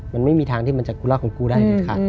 มันไม่มีทางที่มันจะกูรักของกูได้